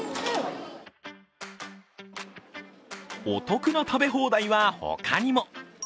お得な食べ放題は他にも。